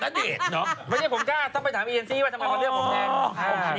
อ๋อค่ะอันนี้เราก็ลงไปแล้วเรื่องเราเอง